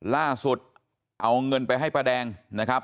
ล่าสุดเอาเงินไปให้ป้าแดงนะครับ